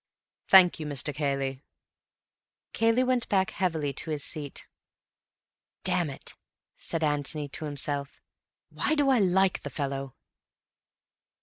"Thank you, Mr. Cayley." Cayley went back heavily to his seat. "Damn it," said Antony to himself, "why do I like the fellow?"